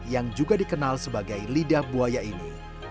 yang juga dikenal sebagai lidah buaya ini